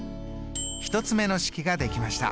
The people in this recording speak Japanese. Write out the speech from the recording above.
１つ目の式ができました。